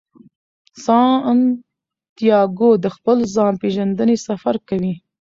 سانتیاګو د خپل ځان پیژندنې سفر کوي.